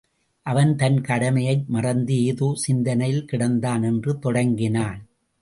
அவன் தன் கடமையை மறந்து ஏதோ சிந்தனையில் கிடந்தான் என்று தொடங்கினான்.